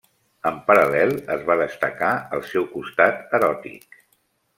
En paral·lel, es va destacar el seu costat eròtic.